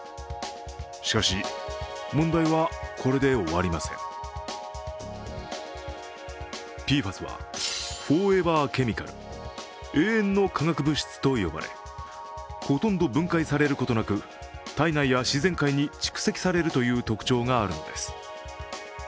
しかし、問題はこれで終わりませんＰＦＡＳは、フォーエバーケミカル＝永遠の化学物質と呼ばれ、ほとんど分解されることなく体内や自然界に蓄積されるという特徴があるのです。